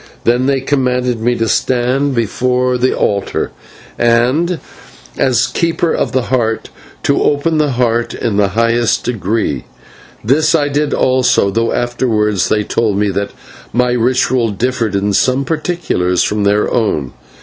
Then they commanded me to stand before the altar, and, as Keeper of the Heart, to open the Heart in the highest degree. This I did also, though afterwards they told me that my ritual differed in some particulars from their own.